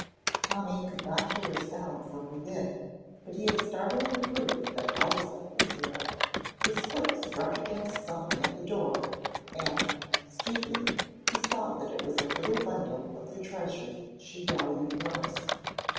Tommy could not hear a sound from within, but he had startling proof that Elspeth was near. His foot struck against something at the door, and, stooping, he saw that it was a little bundle of the treasures she valued most.